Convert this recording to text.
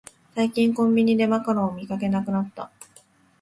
最近コンビニでマカロンを見かけなくなった